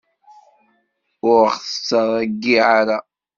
Ur ɣ-tt-ttreyyiε ara.